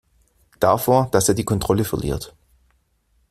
Davor, dass er die Kontrolle verliert.